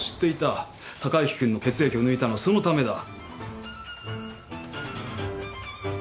貴之君の血液を抜いたのはそのためだ。